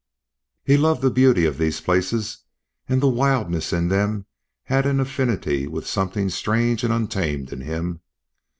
He loved the beauty of these places, and the wildness in them had an affinity with something strange and untamed in him.